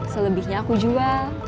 selebihnya aku jual